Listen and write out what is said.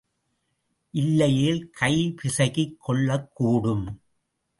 இல்லையேல் கை பிசகிக் கொள்ளக்கூடும்.